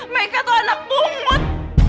meka tuh anak umut